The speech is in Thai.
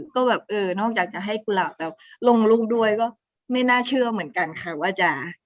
ก็แบบเออนอกจากจะให้กุหลาบแบบลงรูปด้วยก็ไม่น่าเชื่อเหมือนกันค่ะว่าจะ